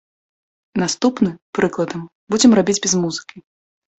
Наступны, прыкладам, будзем рабіць без музыкі.